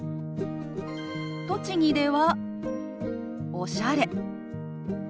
栃木では「おしゃれ」。